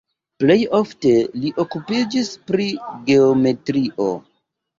Plej ofte li okupiĝis pri geometrio.